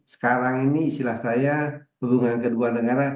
sekarang ini istilah saya hubungan kedua negara